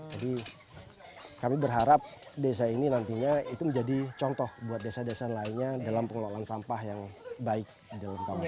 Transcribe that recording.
jadi kami berharap desa ini nantinya itu menjadi contoh buat desa desa lainnya dalam pengelolaan sampah yang baik di dalam tanah sampah